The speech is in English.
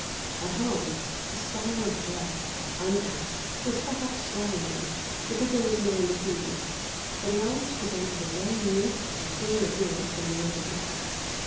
At home, his style of dress (or undress) was perhaps slovenly, because there was no one to please; but he always presented a very neat and clean appearance when he went abroad.